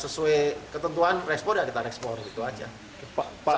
sesuai ketentuan reekspor ya kita reekspor gitu aja